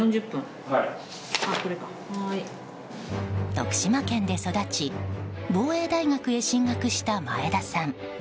徳島県で育ち防衛大学へ進学した前田さん。